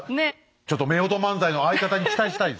ちょっと夫婦漫才の相方に期待したいですね